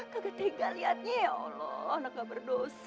gak tiga liatnya ya allah anaknya berdosa